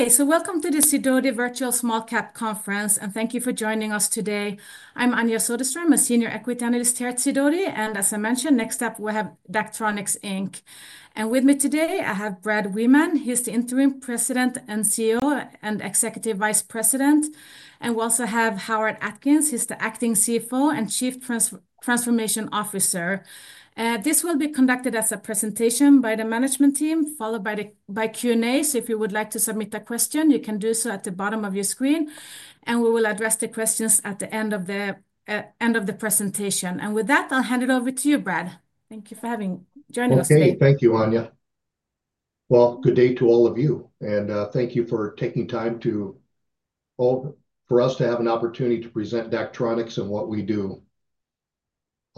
Okay, so welcome to the Sidoti Virtual Small Cap Conference, and thank you for joining us today. I'm Anja Soderstrom, a senior equity analyst here at Sidoti, and as I mentioned, next up we have Daktronics. And with me today, I have Brad Wiemann. He's the Interim President and CEO and Executive Vice President. We also have Howard Atkins. He's the Acting CFO and Chief Transformation Officer. This will be conducted as a presentation by the management team, followed by the Q&A. If you would like to submit a question, you can do so at the bottom of your screen, and we will address the questions at the end of the presentation. With that, I'll hand it over to you, Brad. Thank you for having joining us today. Okay, thank you, Anja. Good day to all of you, and thank you for taking time for us to have an opportunity to present Daktronics and what we do.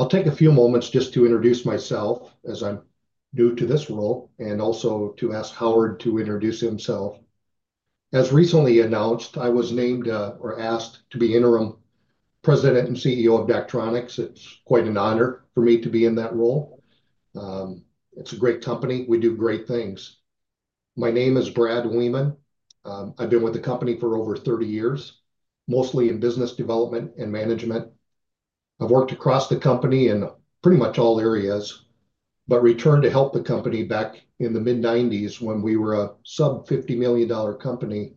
I'll take a few moments just to introduce myself as I'm new to this role and also to ask Howard to introduce himself. As recently announced, I was named or asked to be interim president and CEO of Daktronics. It's quite an honor for me to be in that role. It's a great company. We do great things. My name is Brad Wiemann. I've been with the company for over 30 years, mostly in business development and management. I've worked across the company in pretty much all areas, but returned to help the company back in the mid-1990s when we were a sub-$50 million company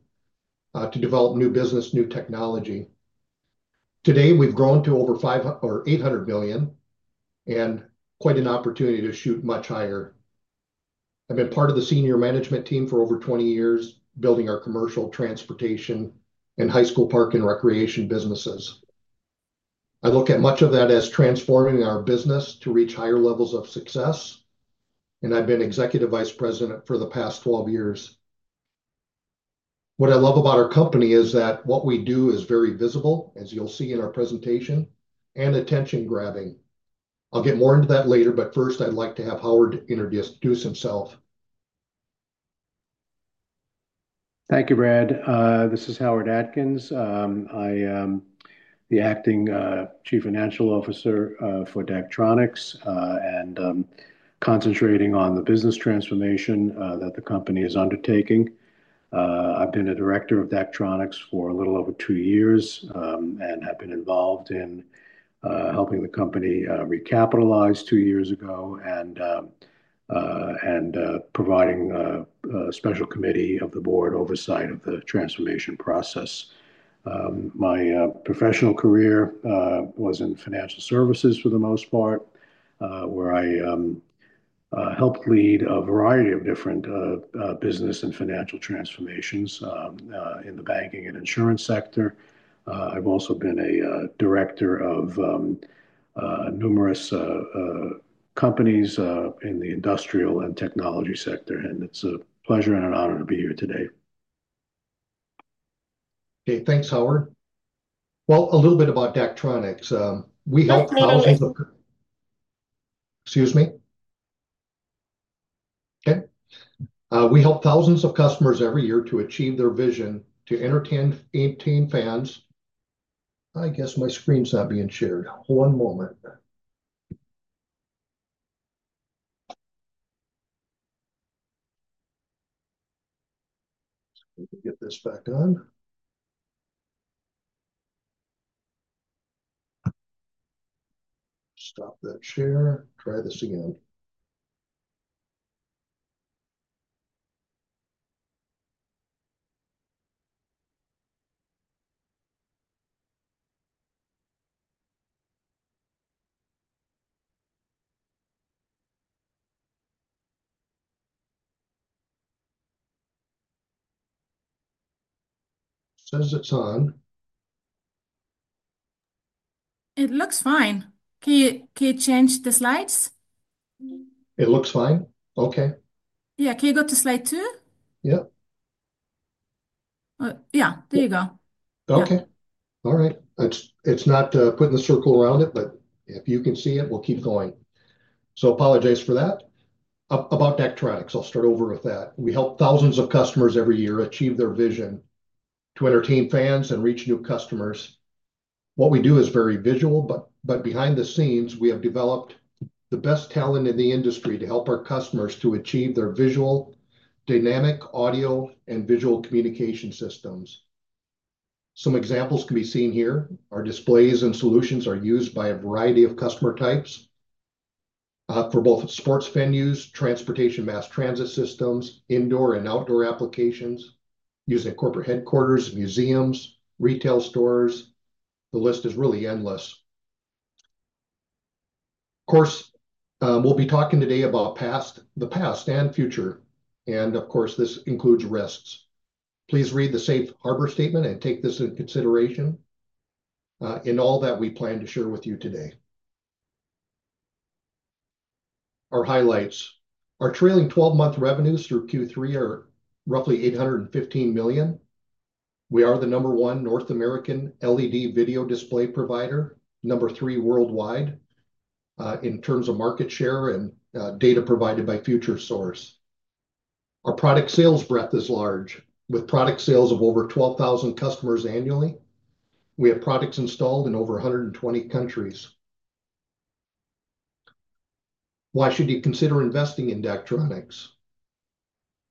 to develop new business, new technology. Today, we've grown to over $800 million and quite an opportunity to shoot much higher. I've been part of the senior management team for over 20 years, building our commercial, transportation, and high school park and recreation businesses. I look at much of that as transforming our business to reach higher levels of success, and I've been Executive Vice President for the past 12 years. What I love about our company is that what we do is very visible, as you'll see in our presentation, and attention-grabbing. I'll get more into that later, but first, I'd like to have Howard introduce himself. Thank you, Brad. This is Howard Atkins. I am the Acting Chief Financial Officer for Daktronics and concentrating on the business transformation that the company is undertaking. I've been a director of Daktronics for a little over two years and have been involved in helping the company recapitalize two years ago and providing a special committee of the board oversight of the transformation process. My professional career was in financial services for the most part, where I helped lead a variety of different business and financial transformations in the banking and insurance sector. I've also been a director of numerous companies in the industrial and technology sector, and it's a pleasure and an honor to be here today. Okay, thanks, Howard. A little bit about Daktronics. We help thousands of—excuse me. Okay. We help thousands of customers every year to achieve their vision, to entertain fans. I guess my screen's not being shared. One moment. Let me get this back on. Stop that share. Try this again. Says it's on. It looks fine. Can you change the slides? It looks fine. Okay. Yeah. Can you go to slide two? Yeah. Yeah. There you go. Okay. All right. It's not putting a circle around it, but if you can see it, we'll keep going. Apologize for that. About Daktronics, I'll start over with that. We help thousands of customers every year achieve their vision, to entertain fans and reach new customers. What we do is very visual, but behind the scenes, we have developed the best talent in the industry to help our customers to achieve their visual, dynamic, audio, and visual communication systems. Some examples can be seen here. Our displays and solutions are used by a variety of customer types for both sports venues, transportation mass transit systems, indoor and outdoor applications, using corporate headquarters, museums, retail stores. The list is really endless. Of course, we'll be talking today about the past and future, and of course, this includes risks. Please read the safe harbor statement and take this into consideration in all that we plan to share with you today. Our highlights. Our trailing 12-month revenues through Q3 are roughly $815 million. We are the number one North American LED video display provider, number three worldwide in terms of market share and data provided by Futuresource. Our product sales breadth is large, with product sales of over 12,000 customers annually. We have products installed in over 120 countries. Why should you consider investing in Daktronics?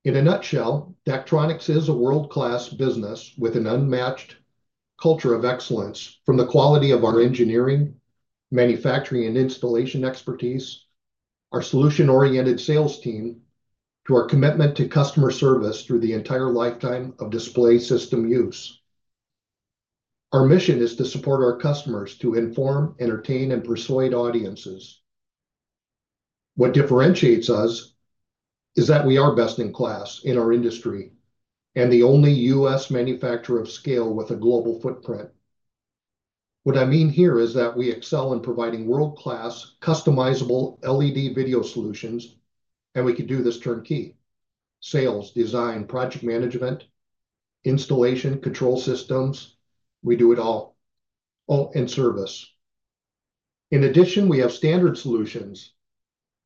In a nutshell, Daktronics is a world-class business with an unmatched culture of excellence from the quality of our engineering, manufacturing, and installation expertise, our solution-oriented sales team, to our commitment to customer service through the entire lifetime of display system use. Our mission is to support our customers to inform, entertain, and persuade audiences. What differentiates us is that we are best in class in our industry and the only U.S. manufacturer of scale with a global footprint. What I mean here is that we excel in providing world-class, customizable LED video solutions, and we can do this turnkey: sales, design, project management, installation, control systems. We do it all in service. In addition, we have standard solutions,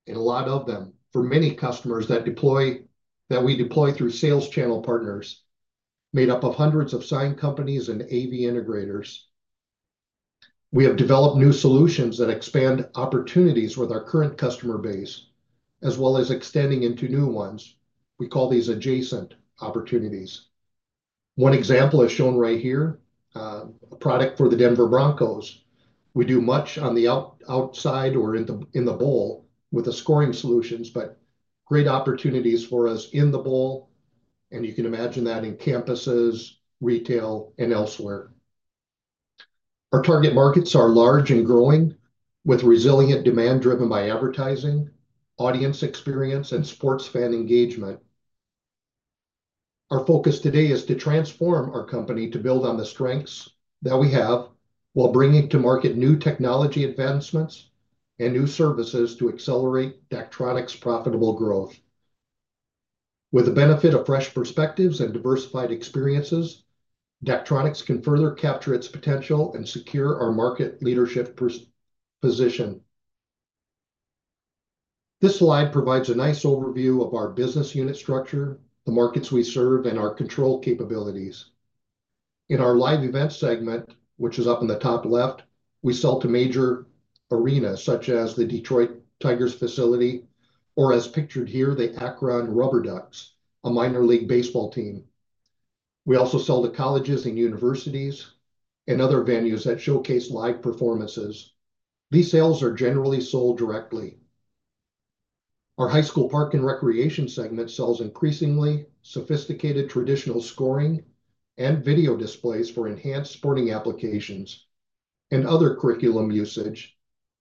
and a lot of them for many customers that we deploy through sales channel partners made up of hundreds of sign companies and AV integrators. We have developed new solutions that expand opportunities with our current customer base, as well as extending into new ones. We call these adjacent opportunities. One example is shown right here, a product for the Denver Broncos. We do much on the outside or in the bowl with the scoring solutions, but great opportunities for us in the bowl, and you can imagine that in campuses, retail, and elsewhere. Our target markets are large and growing with resilient demand driven by advertising, audience experience, and sports fan engagement. Our focus today is to transform our company to build on the strengths that we have while bringing to market new technology advancements and new services to accelerate Daktronics' profitable growth. With the benefit of fresh perspectives and diversified experiences, Daktronics can further capture its potential and secure our market leadership position. This slide provides a nice overview of our business unit structure, the markets we serve, and our control capabilities. In our live events segment, which is up in the top left, we sell to major arenas such as the Detroit Tigers facility or, as pictured here, the Akron RubberDucks, a minor league baseball team. We also sell to colleges and universities and other venues that showcase live performances. These sales are generally sold directly. Our high school park and recreation segment sells increasingly sophisticated traditional scoring and video displays for enhanced sporting applications and other curriculum usage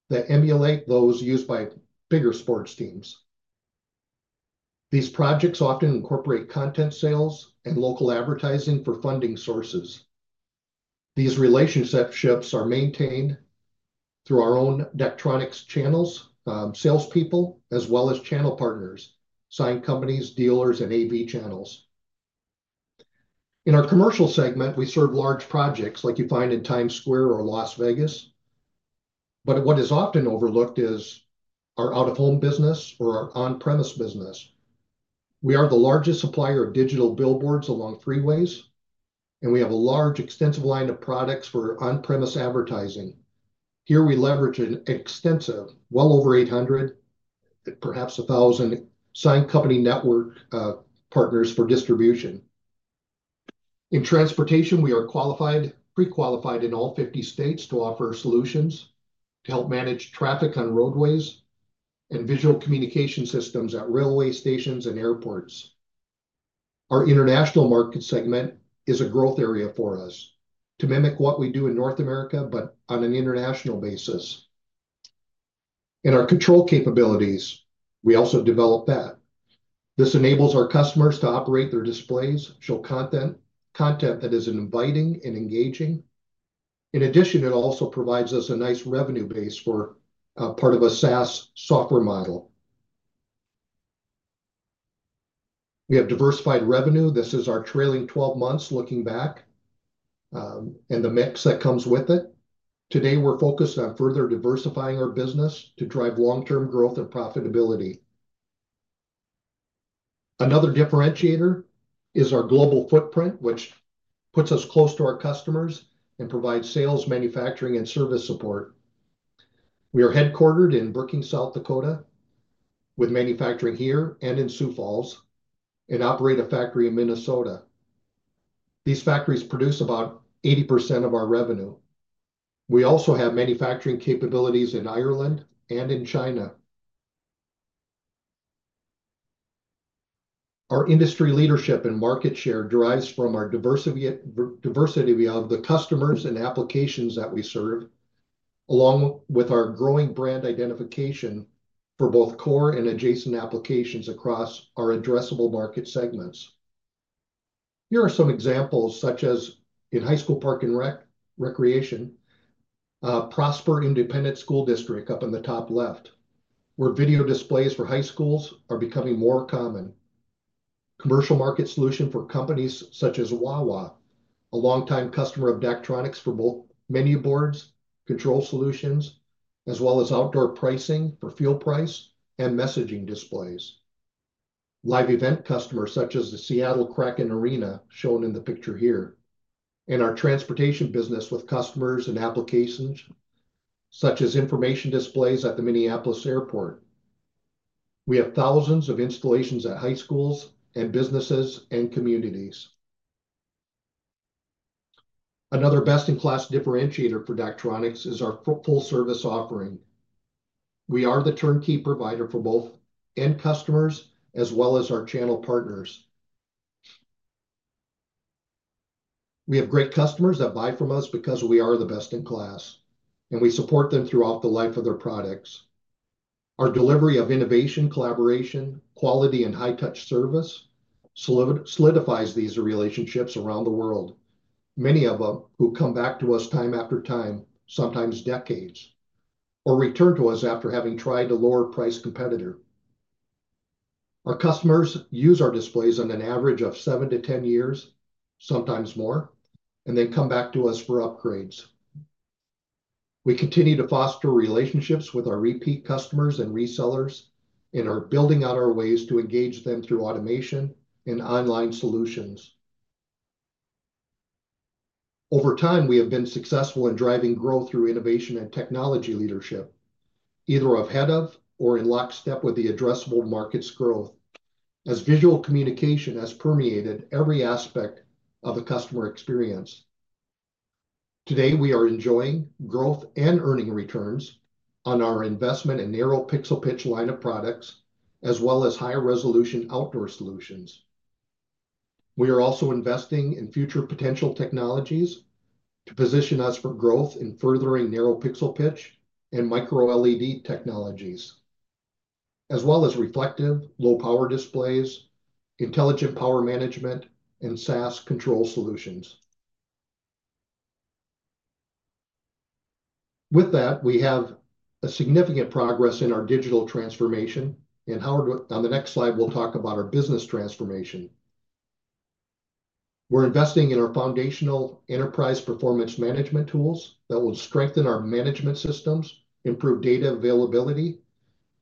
that emulate those used by bigger sports teams. These projects often incorporate content sales and local advertising for funding sources. These relationships are maintained through our own Daktronics channels, salespeople, as well as channel partners, sign companies, dealers, and AV channels. In our commercial segment, we serve large projects like you find in Times Square or Las Vegas, but what is often overlooked is our out-of-home business or our on-premise business. We are the largest supplier of digital billboards along freeways, and we have a large, extensive line of products for on-premise advertising. Here, we leverage an extensive, well over 800, perhaps 1,000 sign company network partners for distribution. In transportation, we are pre-qualified in all 50 states to offer solutions to help manage traffic on roadways and visual communication systems at railway stations and airports. Our international market segment is a growth area for us to mimic what we do in North America, but on an international basis. In our control capabilities, we also develop that. This enables our customers to operate their displays, show content that is inviting and engaging. In addition, it also provides us a nice revenue base for part of a SaaS software model. We have diversified revenue. This is our trailing 12 months looking back and the mix that comes with it. Today, we're focused on further diversifying our business to drive long-term growth and profitability. Another differentiator is our global footprint, which puts us close to our customers and provides sales, manufacturing, and service support. We are headquartered in Brookings, South Dakota, with manufacturing here and in Sioux Falls and operate a factory in Minnesota. These factories produce about 80% of our revenue. We also have manufacturing capabilities in Ireland and in China. Our industry leadership and market share derives from our diversity of the customers and applications that we serve, along with our growing brand identification for both core and adjacent applications across our addressable market segments. Here are some examples, such as in high school park and recreation, Prosper Independent School District up in the top left, where video displays for high schools are becoming more common. Commercial market solution for companies such as Wawa, a longtime customer of Daktronics for both menu boards, control solutions, as well as outdoor pricing for fuel price and messaging displays. Live event customers such as the Seattle Kraken Arena shown in the picture here, and our transportation business with customers and applications such as information displays at the Minneapolis Airport. We have thousands of installations at high schools and businesses and communities. Another best-in-class differentiator for Daktronics is our full-service offering. We are the turnkey provider for both end customers as well as our channel partners. We have great customers that buy from us because we are the best in class, and we support them throughout the life of their products. Our delivery of innovation, collaboration, quality, and high-touch service solidifies these relationships around the world, many of them who come back to us time after time, sometimes decades, or return to us after having tried a lower-priced competitor. Our customers use our displays on an average of 7-10 years, sometimes more, and then come back to us for upgrades. We continue to foster relationships with our repeat customers and resellers and are building out our ways to engage them through automation and online solutions. Over time, we have been successful in driving growth through innovation and technology leadership, either ahead of or in lockstep with the addressable market's growth, as visual communication has permeated every aspect of the customer experience. Today, we are enjoying growth and earning returns on our investment in narrow pixel pitch line of products, as well as high-resolution outdoor solutions. We are also investing in future potential technologies to position us for growth in furthering narrow pixel pitch and micro-LED technologies, as well as reflective, low-power displays, intelligent power management, and SaaS control solutions. With that, we have significant progress in our digital transformation, and on the next slide, we'll talk about our business transformation. We're investing in our foundational enterprise performance management tools that will strengthen our management systems, improve data availability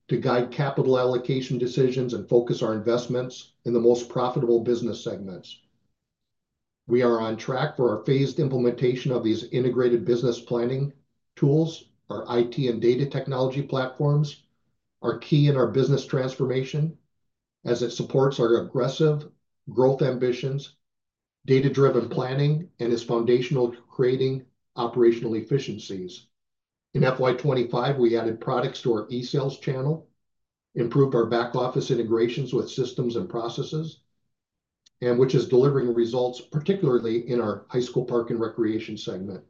to guide capital allocation decisions, and focus our investments in the most profitable business segments. We are on track for our phased implementation of these integrated business planning tools, our IT and data technology platforms, are key in our business transformation, as it supports our aggressive growth ambitions, data-driven planning, and is foundational to creating operational efficiencies. In FY25, we added products to our eSales channel, improved our back office integrations with systems and processes, and which is delivering results, particularly in our high school park and recreation segment.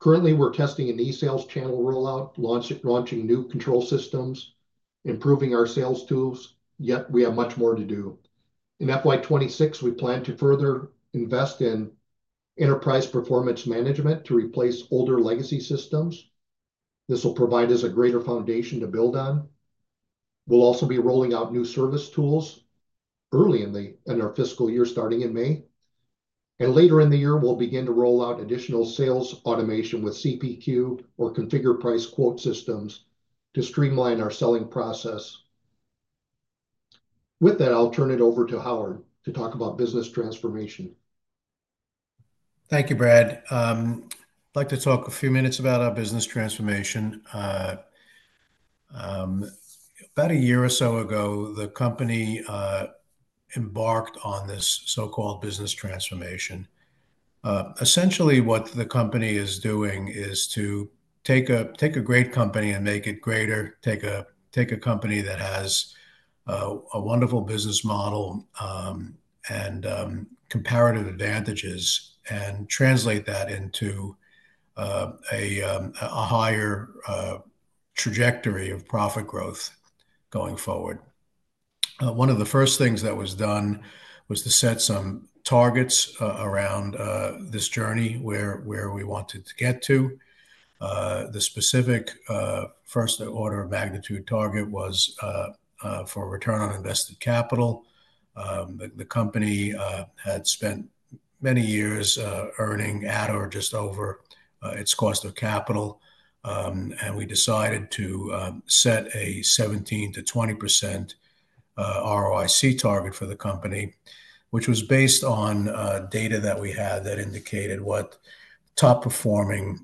Currently, we're testing an eSales channel rollout, launching new control systems, improving our sales tools, yet we have much more to do. In FY26, we plan to further invest in enterprise performance management to replace older legacy systems. This will provide us a greater foundation to build on. We'll also be rolling out new service tools early in our fiscal year, starting in May. Later in the year, we'll begin to roll out additional sales automation with CPQ or configured price quote systems to streamline our selling process. With that, I'll turn it over to Howard to talk about business transformation. Thank you, Brad. I'd like to talk a few minutes about our business transformation. About a year or so ago, the company embarked on this so-called business transformation. Essentially, what the company is doing is to take a great company and make it greater, take a company that has a wonderful business model and comparative advantages, and translate that into a higher trajectory of profit growth going forward. One of the first things that was done was to set some targets around this journey where we wanted to get to. The specific first-order of magnitude target was for return on invested capital. The company had spent many years earning at or just over its cost of capital, and we decided to set a 17%-20% ROIC target for the company, which was based on data that we had that indicated what top-performing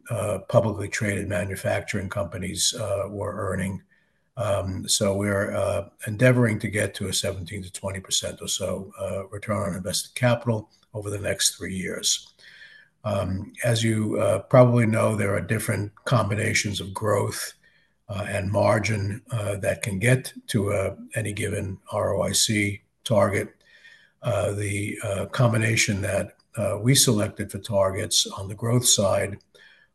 publicly traded manufacturing companies were earning. We're endeavoring to get to a 17%-20% or so return on invested capital over the next three years. As you probably know, there are different combinations of growth and margin that can get to any given ROIC target. The combination that we selected for targets on the growth side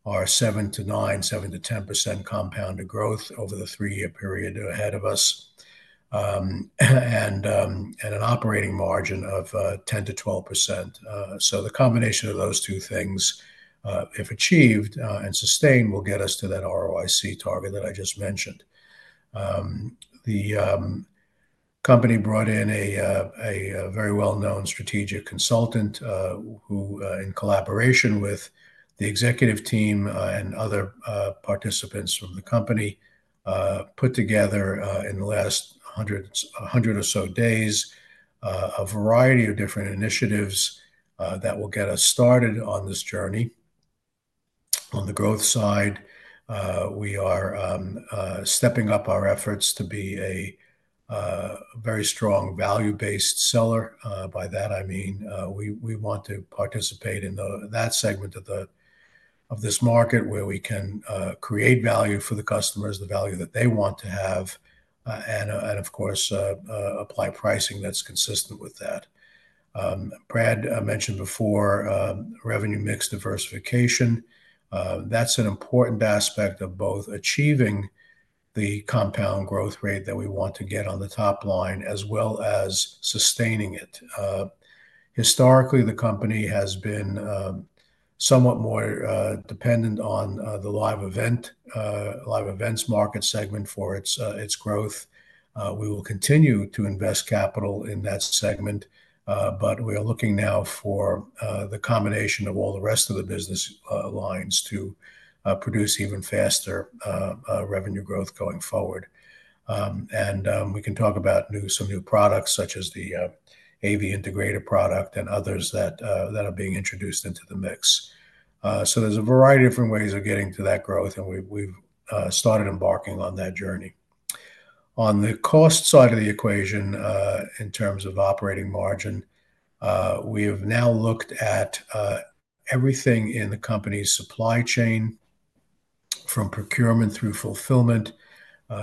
are 7%-9%, 7%-10% compounded growth over the three-year period ahead of us and an operating margin of 10%-12%. The combination of those two things, if achieved and sustained, will get us to that ROIC target that I just mentioned. The company brought in a very well-known strategic consultant who, in collaboration with the executive team and other participants from the company, put together in the last hundred or so days a variety of different initiatives that will get us started on this journey. On the growth side, we are stepping up our efforts to be a very strong value-based seller. By that, I mean we want to participate in that segment of this market where we can create value for the customers, the value that they want to have, and, of course, apply pricing that's consistent with that. Brad mentioned before, revenue mix diversification. That's an important aspect of both achieving the compound growth rate that we want to get on the top line as well as sustaining it. Historically, the company has been somewhat more dependent on the live events market segment for its growth. We will continue to invest capital in that segment, but we are looking now for the combination of all the rest of the business lines to produce even faster revenue growth going forward. We can talk about some new products such as the AV integrator product and others that are being introduced into the mix. There is a variety of different ways of getting to that growth, and we have started embarking on that journey. On the cost side of the equation, in terms of operating margin, we have now looked at everything in the company's supply chain from procurement through fulfillment,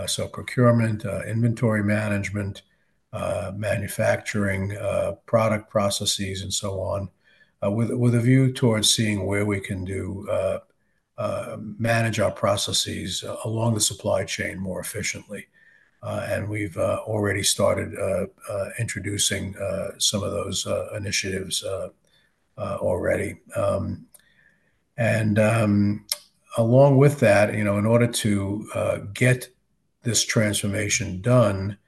so procurement, inventory management, manufacturing, product processes, and so on, with a view towards seeing where we can manage our processes along the supply chain more efficiently. We have already started introducing some of those initiatives already. Along with that, in order to get this transformation done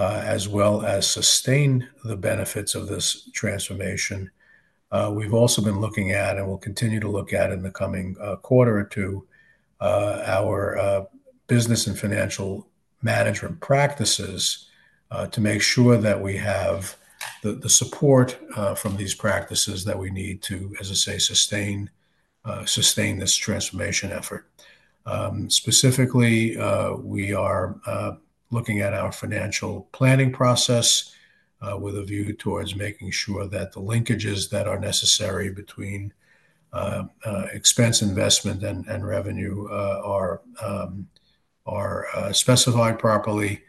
as well as sustain the benefits of this transformation, we've also been looking at, and we'll continue to look at in the coming quarter or two, our business and financial management practices to make sure that we have the support from these practices that we need to, as I say, sustain this transformation effort. Specifically, we are looking at our financial planning process with a view towards making sure that the linkages that are necessary between expense investment and revenue are specified properly,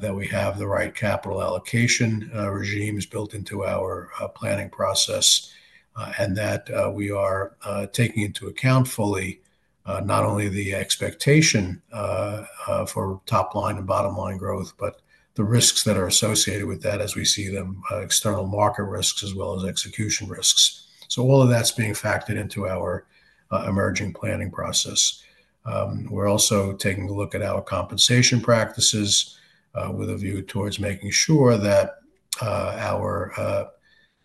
that we have the right capital allocation regimes built into our planning process, and that we are taking into account fully not only the expectation for top line and bottom line growth, but the risks that are associated with that as we see them, external market risks as well as execution risks. All of that's being factored into our emerging planning process. We're also taking a look at our compensation practices with a view towards making sure that our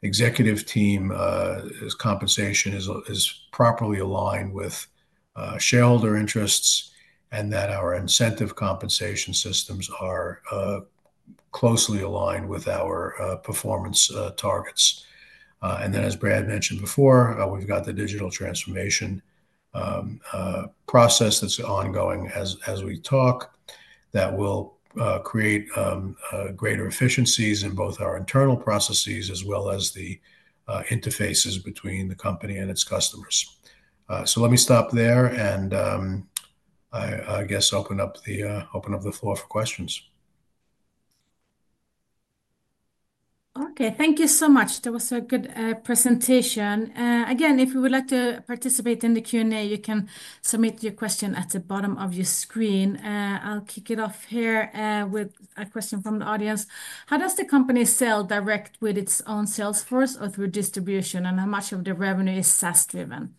executive team's compensation is properly aligned with shareholder interests and that our incentive compensation systems are closely aligned with our performance targets. As Brad mentioned before, we've got the digital transformation process that's ongoing as we talk that will create greater efficiencies in both our internal processes as well as the interfaces between the company and its customers. Let me stop there and I guess open up the floor for questions. Okay. Thank you so much. That was a good presentation. Again, if you would like to participate in the Q&A, you can submit your question at the bottom of your screen. I'll kick it off here with a question from the audience. How does the company sell direct with its own sales force or through distribution, and how much of the revenue is SaaS-driven?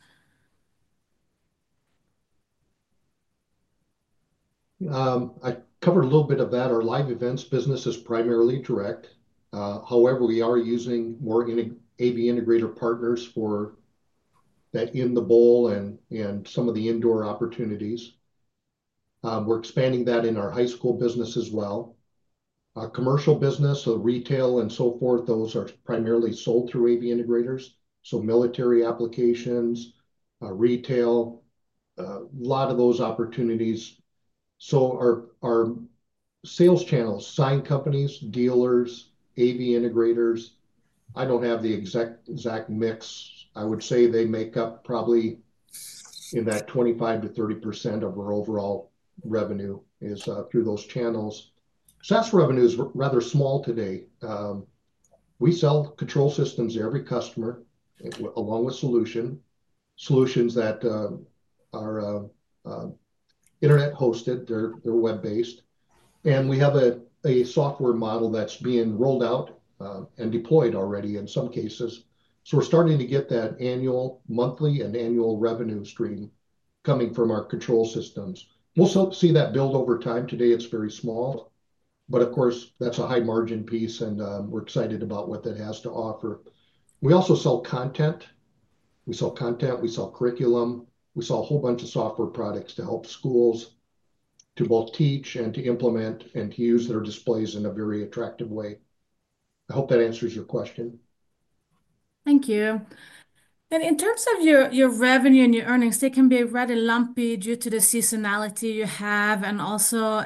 I covered a little bit of that. Our live events business is primarily direct. However, we are using more AV integrator partners for that in the bowl and some of the indoor opportunities. We're expanding that in our high school business as well. Commercial business, retail, and so forth, those are primarily sold through AV integrators. Military applications, retail, a lot of those opportunities. Our sales channels, sign companies, dealers, AV integrators, I don't have the exact mix. I would say they make up probably in that 25-30% of our overall revenue is through those channels. SaaS revenue is rather small today. We sell control systems to every customer along with solutions, solutions that are internet-hosted. They're web-based. We have a software model that's being rolled out and deployed already in some cases. We're starting to get that annual, monthly, and annual revenue stream coming from our control systems. We'll see that build over time. Today, it's very small. Of course, that's a high-margin piece, and we're excited about what that has to offer. We also sell content. We sell content. We sell curriculum. We sell a whole bunch of software products to help schools to both teach and to implement and to use their displays in a very attractive way. I hope that answers your question. Thank you. In terms of your revenue and your earnings, they can be rather lumpy due to the seasonality you have and also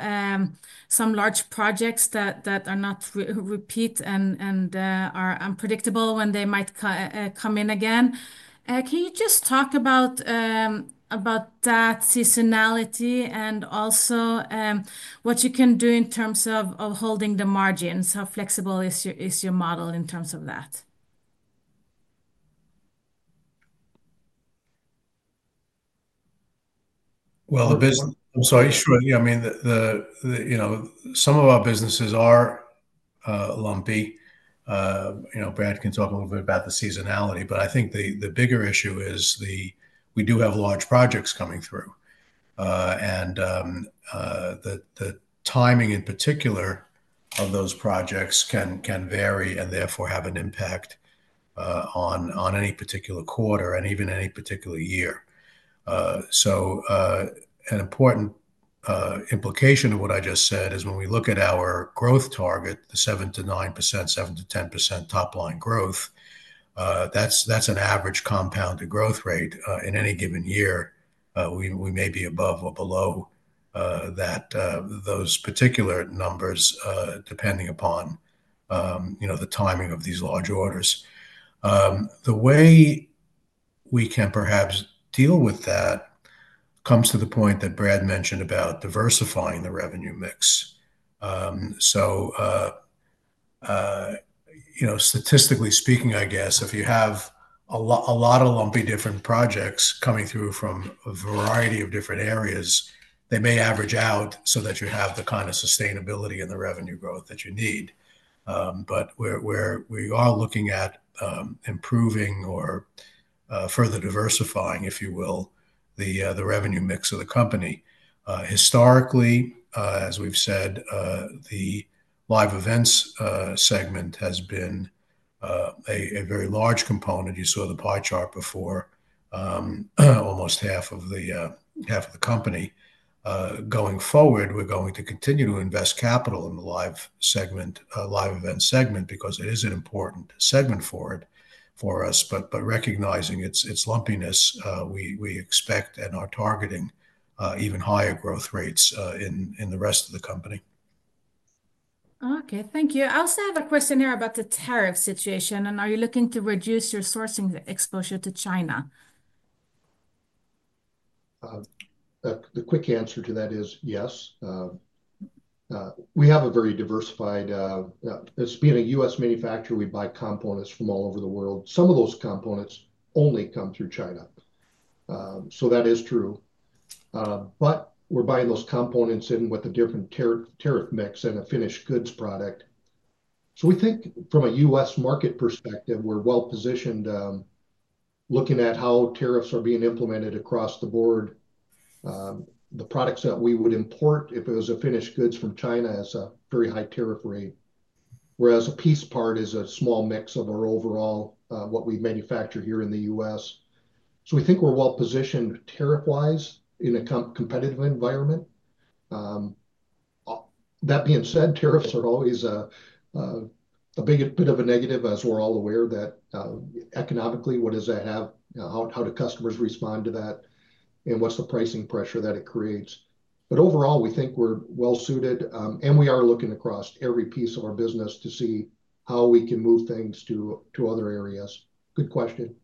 some large projects that are not repeat and are unpredictable when they might come in again. Can you just talk about that seasonality and also what you can do in terms of holding the margins? How flexible is your model in terms of that? I'm sorry, I mean, some of our businesses are lumpy. Brad can talk a little bit about the seasonality, but I think the bigger issue is we do have large projects coming through. The timing in particular of those projects can vary and therefore have an impact on any particular quarter and even any particular year. An important implication of what I just said is when we look at our growth target, the 7%-9%, 7%-10% top line growth, that's an average compounded growth rate. In any given year, we may be above or below those particular numbers depending upon the timing of these large orders. The way we can perhaps deal with that comes to the point that Brad mentioned about diversifying the revenue mix. Statistically speaking, I guess, if you have a lot of lumpy different projects coming through from a variety of different areas, they may average out so that you have the kind of sustainability and the revenue growth that you need. We are looking at improving or further diversifying, if you will, the revenue mix of the company. Historically, as we've said, the live events segment has been a very large component. You saw the pie chart before, almost half of the company. Going forward, we're going to continue to invest capital in the live event segment because it is an important segment for us. Recognizing its lumpiness, we expect and are targeting even higher growth rates in the rest of the company. Okay. Thank you. I also have a question here about the tariff situation. Are you looking to reduce your sourcing exposure to China? The quick answer to that is yes. We have a very diversified, being a U.S. manufacturer, we buy components from all over the world. Some of those components only come through China. That is true. We are buying those components in with a different tariff mix and a finished goods product. We think from a U.S. market perspective, we are well positioned looking at how tariffs are being implemented across the board. The products that we would import, if it was a finished goods from China, have a very high tariff rate, whereas a piece part is a small mix of our overall what we manufacture here in the U.S. We think we are well positioned tariff-wise in a competitive environment. That being said, tariffs are always a bit of a negative as we are all aware that economically, what does that have? How do customers respond to that? What's the pricing pressure that it creates? Overall, we think we're well suited. We are looking across every piece of our business to see how we can move things to other areas. Good question.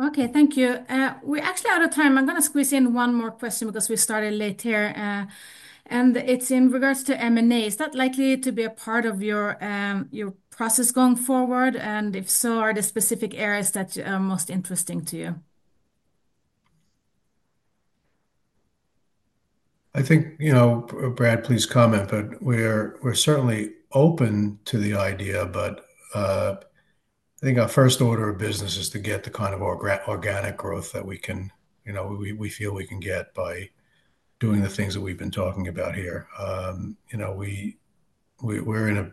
Okay. Thank you. We're actually out of time. I'm going to squeeze in one more question because we started later. It's in regards to M&A. Is that likely to be a part of your process going forward? If so, are there specific areas that are most interesting to you? I think, Brad, please comment, but we're certainly open to the idea. I think our first order of business is to get the kind of organic growth that we feel we can get by doing the things that we've been talking about here. We're in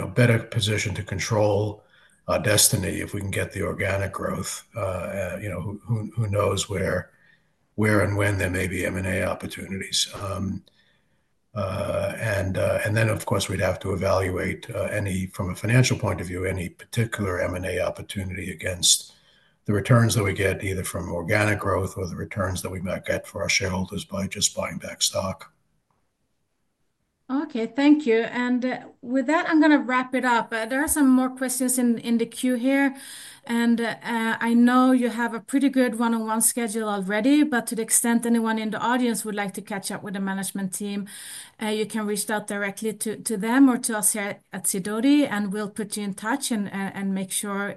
a better position to control our destiny if we can get the organic growth. Who knows where and when there may be M&A opportunities? Of course, we'd have to evaluate from a financial point of view, any particular M&A opportunity against the returns that we get either from organic growth or the returns that we might get for our shareholders by just buying back stock. Okay. Thank you. With that, I'm going to wrap it up. There are some more questions in the queue here. I know you have a pretty good one-on-one schedule already, but to the extent anyone in the audience would like to catch up with the management team, you can reach out directly to them or to us here at Sidoti, and we'll put you in touch and make sure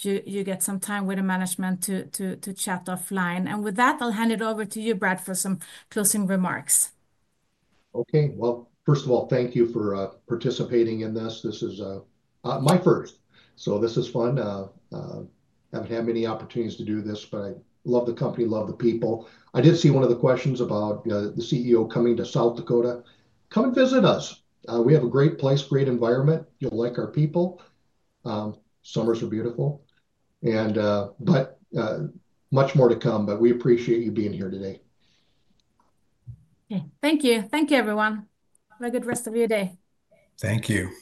you get some time with the management to chat offline. With that, I'll hand it over to you, Brad, for some closing remarks. Okay. First of all, thank you for participating in this. This is my first. This is fun. I haven't had many opportunities to do this, but I love the company, love the people. I did see one of the questions about the CEO coming to South Dakota. Come and visit us. We have a great place, great environment. You'll like our people. Summers are beautiful. Much more to come, but we appreciate you being here today. Okay. Thank you. Thank you, everyone. Have a good rest of your day. Thank you.